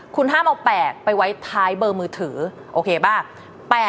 คุณห้ามเอา๘ไปไว้ท้ายเบอร์มือถือโอเคป่ะ